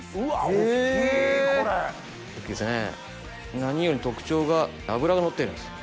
何より特徴が脂がのってるんです。